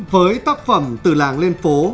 với tác phẩm từ làng lên phố